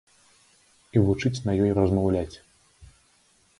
І вучыць на ёй размаўляць.